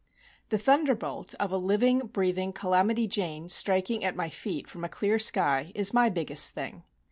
The thunderbolt of a living, breathing "Calamity Jane" striking at my feet from a clear sky is my biggest thing.